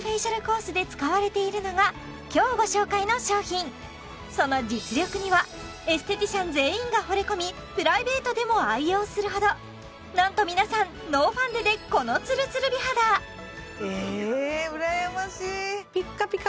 そのエステのその実力にはエステティシャン全員がほれ込みプライベートでも愛用するほどなんと皆さんノーファンデでこのつるつる美肌えうらやましいピッカピカ